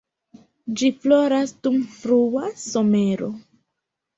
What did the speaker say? Ĝi floras dum frua somero.